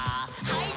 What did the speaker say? はい。